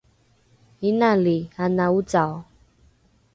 inali ana ocao